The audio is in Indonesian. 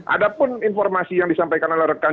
ada pun informasi yang disampaikan oleh rekan